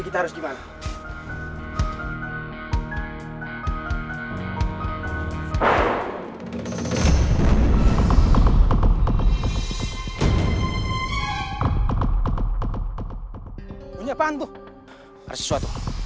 woy jangan kabur lo